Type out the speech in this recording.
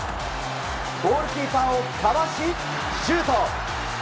ゴールキーパーをかわしシュート！